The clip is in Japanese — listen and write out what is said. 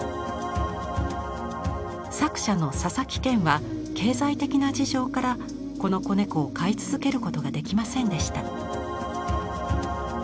作者の佐々木健は経済的な事情からこの子猫を飼い続けることができませんでした。